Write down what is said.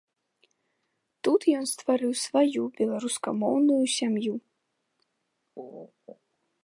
Тут ён стварыў сваю беларускамоўную сям'ю.